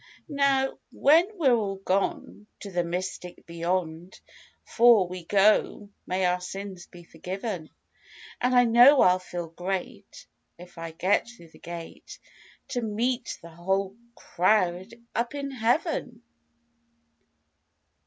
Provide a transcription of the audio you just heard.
Now, when we're all gone, to the "Mystic Beyond," 'Fore we go, may our sins be forgiven. And I know I'll feel great (if I get through the gate) To meet the whole crowd up in heaven.